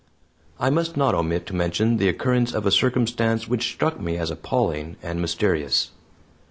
I must not omit to mention the occurrence of a circumstance which struck me as appalling and mysterious.